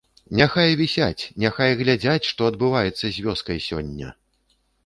Няхай вісяць, няхай глядзяць, што адбываецца з вёскай сёння.